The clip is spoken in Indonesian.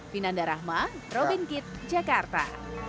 vinanda rahma robin kitt jakarta